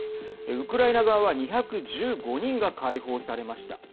ウクライナ側は２１５人が解放されました。